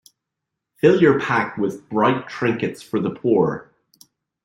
Fill your pack with bright trinkets for the poor.